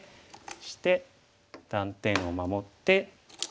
そして断点を守って。